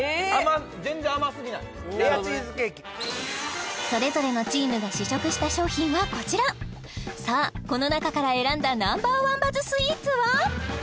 全然甘すぎないレアチーズケーキそれぞれのチームが試食した商品はこちらさあこの中から選んだＮｏ．１バズスイーツは？